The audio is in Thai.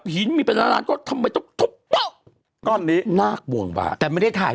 เฮ้ยคุณบ้านตำ